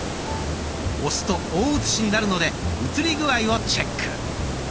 押すと大写しになるので写り具合をチェック。